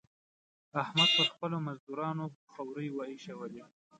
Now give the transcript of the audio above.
احمد پر خپلو مزدورانو خورۍ واېشولې.